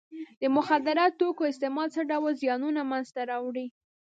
د مخدره توکو استعمال څه ډول زیانونه منځ ته راوړي.